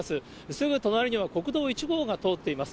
すぐ隣には国道１号が通っています。